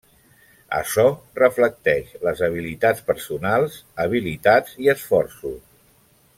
Açò reflecteix les habilitats personals, habilitats i esforços.